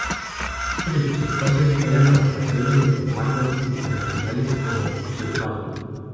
Muchos de sus espacios eran adaptaciones de formatos internacionales, como "Jeopardy!